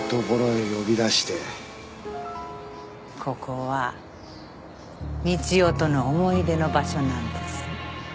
ここは道夫との思い出の場所なんです。